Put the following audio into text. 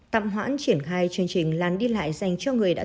tạm hoãn triển khai chương trình làn đi lại dành cho người đã